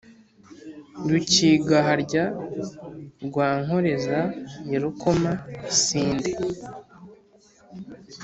rukigaharya rwa nkoreza ya rukoma-sinde